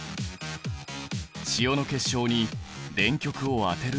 塩の結晶に電極を当てると。